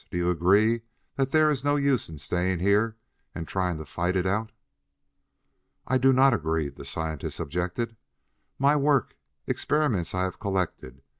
Do you agree that there is no use in staying here and trying to fight it out?" "I do not agree," the scientist objected. "My work, my experiments I have collected!